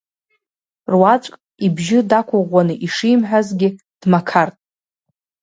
Руаӡәк, ибжьы дақәыӷәӷәаны ишимҳәазгьы, дмақарт…